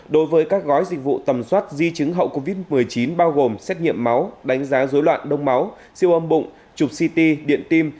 đối với các gói dịch vụ tầm soát di chứng hậu covid một mươi chín bao gồm xét nghiệm máu đánh giá dối loạn đông máu siêu âm bụng chụp ct điện tim